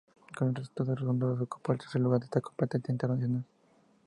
Con este resultado Honduras ocupó el tercer lugar de esta competencia internacional.